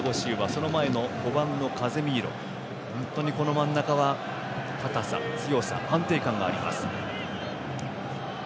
その前の５番のカゼミーロ真ん中は、堅さ強さ、安定感があります。